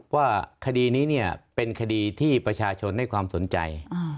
ว่าคดีนี้เป็นคดีที่ประชาชนให้ความสนใจ